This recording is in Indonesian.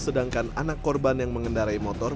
sedangkan anak korban yang mengendarai motor